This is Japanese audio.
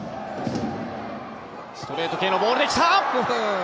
ストレート系のボールで来た。